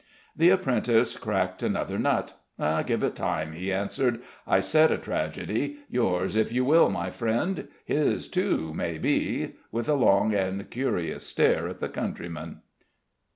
The apprentice cracked another nut. "Give it time," he answered. "I said a tragedy. Yours, if you will, my friend; his too, may be" with a long and curious stare at the countryman.